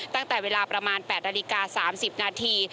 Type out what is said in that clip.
ตั้งแต่เวลาประมาณ๘นาฬิกา๓๐นาที